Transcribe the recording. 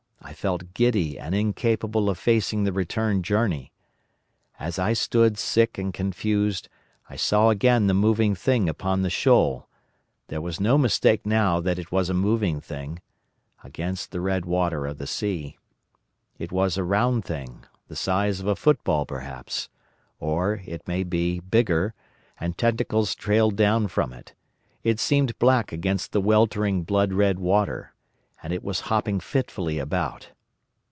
I felt giddy and incapable of facing the return journey. As I stood sick and confused I saw again the moving thing upon the shoal—there was no mistake now that it was a moving thing—against the red water of the sea. It was a round thing, the size of a football perhaps, or, it may be, bigger, and tentacles trailed down from it; it seemed black against the weltering blood red water, and it was hopping fitfully about.